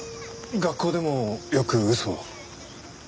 学校でもよく嘘を？